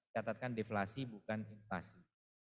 catatan deflasi bukan inflasi